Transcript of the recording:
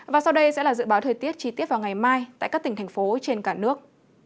và sau đây sẽ là dự báo thời tiết chi tiết vào ngày mai tại các tỉnh thành phố trên cả nước